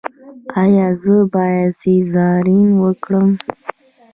ایا زه باید سیزارین وکړم؟